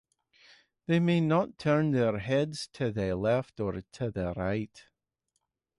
They may not turn their heads to the left or to the right.